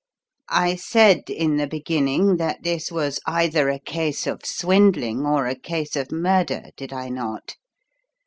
I said in the beginning that his was either a case of swindling or a case of murder, did I not?